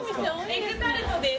エッグタルトです。